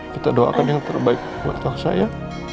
kita doakan yang terbaik buat elsa ya